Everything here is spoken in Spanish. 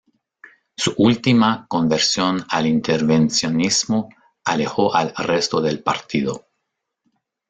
Su última conversión al intervencionismo alejó al resto del partido.